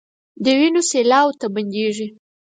د وينو سېلاوو نه بنديږي